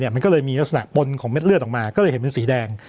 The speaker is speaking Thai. มันก็เลยมีลักษณะปนของเม็ดเลือดออกมาก็เลยเห็นเป็นสีแดง